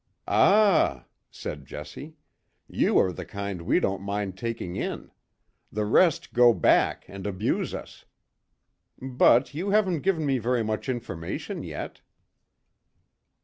"Ah!" said Jessie, "you are the kind we don't mind taking in. The rest go back and abuse us. But you haven't given me very much information yet."